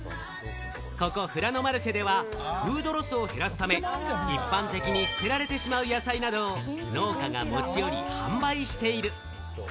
ここフラノマルシェでは、フードロスを減らすため、一般的に捨てられてしまう野菜などを農家が持ち寄り、販売している。